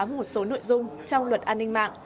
một số nội dung trong luật an ninh mạng